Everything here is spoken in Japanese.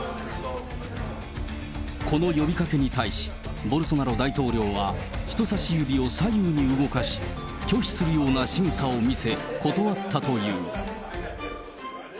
この呼びかけに対し、ボルソナロ大統領は、人さし指を左右に動かし、拒否するようなしぐさを見せ、断ったという。